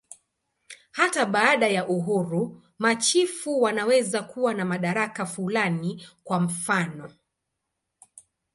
Hata baada ya uhuru, machifu wanaweza kuwa na madaraka fulani, kwa mfanof.